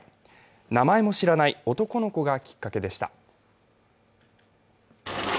名前も知らない男の子がきっかけでした。